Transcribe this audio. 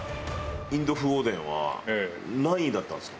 インド風おでんは何位だったんですか？